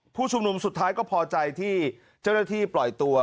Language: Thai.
ผู้ชุมนุมสุดท้ายก็พอใจที่เจ้าหน้าที่ปล่อยตัว